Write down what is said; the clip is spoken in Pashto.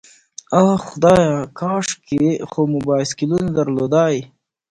آه خدایه، کاشکې خو مو بایسکلونه درلودای.